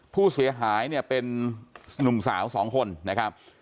ผู้เสียหายเนี่ยเป็นนุ่มสาวสองคนนะครับ